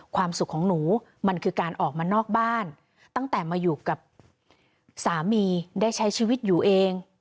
ความสุขของหนูมันคือการออกมานอกบ้านตั้งแต่มาอยู่กับสามีได้ใช้ชีวิตอยู่เอง